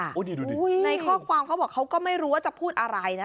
ในข้อความเขาบอกว่าเขาก็ไม่รู้ว่าจะพูดอะไรนะ